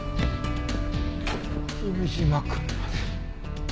君嶋くんまで。